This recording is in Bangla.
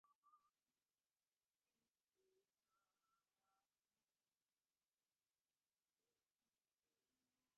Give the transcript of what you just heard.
কিন্তু জাগতিক ঘটনা প্রবাহরূপ মহাসমুদ্রে কতকগুলি প্রবল তরঙ্গ থাকিবেই।